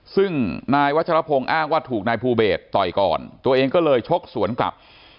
ซึ่งนายวัชรพงศ์อ้างว่าถูกนายภูเบศต่อยก่อนตัวเองก็เลยชกสวนกลับ